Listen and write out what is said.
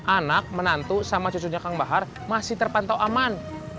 anak menantu sama cucunya kang bahar masih terpantau aman